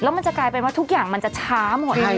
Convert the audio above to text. มันจะกลายเป็นว่าทุกอย่างมันจะช้าหมด